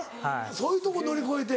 そういうとこ乗り越えて。